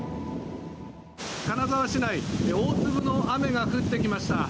金沢市内大粒の雨が降ってきました。